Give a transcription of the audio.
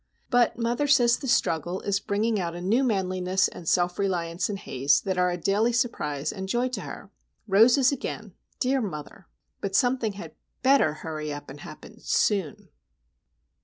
But mother says the struggle is bringing out a new manliness and self reliance in Haze that are a daily surprise and joy to her. Roses again,—dear mother! But something had better hurry up and happen soon!